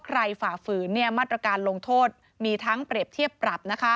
ฝ่าฝืนมาตรการลงโทษมีทั้งเปรียบเทียบปรับ